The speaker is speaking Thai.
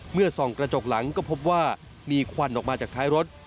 ส่องกระจกหลังก็พบว่ามีควันออกมาจากท้ายรถ